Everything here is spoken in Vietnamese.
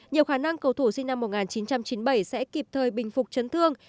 nhiều khả năng cầu thủ sinh năm một nghìn chín trăm chín mươi bảy sẽ kịp thời bình phục chấn thương